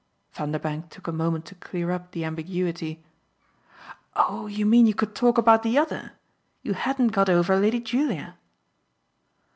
Vanderbank took a moment to clear up the ambiguity. "Oh you mean you could talk about the OTHER. You hadn't got over Lady Julia."